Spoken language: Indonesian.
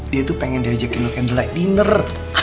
dia tuh pengen diajakin lo candlelight dinner